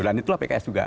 dan itulah pks juga